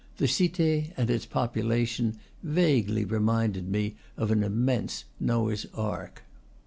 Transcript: The Cite and its population vaguely reminded me of an immense Noah's ark.